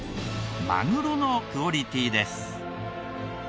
マグロのクオリティーです。